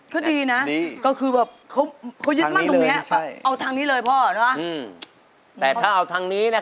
ก็ดีนะก็คือแบบเขายึดมั่งตรงนี้